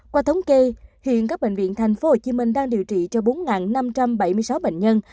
qua thống kê hiện các bệnh viện tp hcm đang điều trị cho bốn năm trăm bảy mươi sáu bệnh nhân